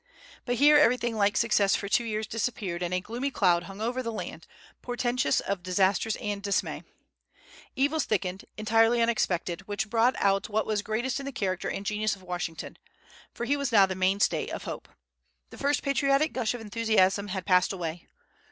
But here everything like success for two years disappeared, and a gloomy cloud hung over the land, portentous of disasters and dismay. Evils thickened, entirely unexpected, which brought out what was greatest in the character and genius of Washington; for he now was the mainstay of hope. The first patriotic gush of enthusiasm had passed away.